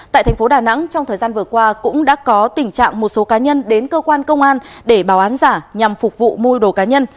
tại thành phố đà nẵng trong thời gian vừa qua cũng đã có tình trạng một số cá nhân đến cơ quan công an để báo án giả nhằm phục vụ môi đồ cá nhân